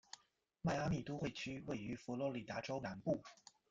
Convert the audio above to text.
迈阿密都会区位于佛罗里达州南部。